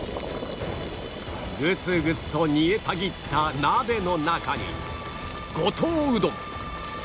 グツグツと煮えたぎった鍋の中に五島うどん